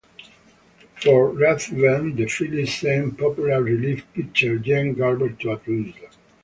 For Ruthven, the Phillies sent popular relief pitcher Gene Garber to Atlanta.